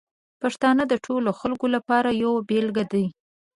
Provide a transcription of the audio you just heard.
پښتانه د ټولو خلکو لپاره یوه بېلګه دي.